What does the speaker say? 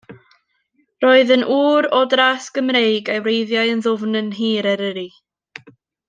Roedd yn ŵr o dras Gymreig a'i wreiddiau yn ddwfn yn nhir Eryri.